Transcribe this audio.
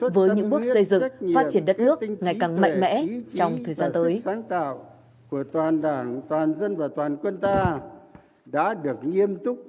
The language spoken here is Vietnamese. với những bước xây dựng phát triển đất nước ngày càng mạnh mẽ trong thời gian tới